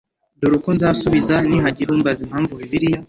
dore uko nzasubiza nihagira umbaza impamvu bibiliya